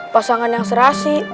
pasangan yang serasi